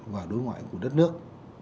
và đối ngoại của đất nước